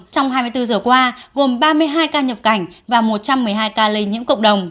trong hai mươi bốn giờ qua gồm ba mươi hai ca nhập cảnh và một trăm một mươi hai ca lây nhiễm cộng đồng